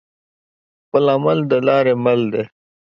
خپل عمل د لارې مل دى.